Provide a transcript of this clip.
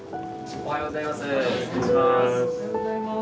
おはようございます。